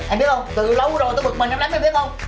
em biết không từ lâu rồi tôi bực mình em lắm em biết không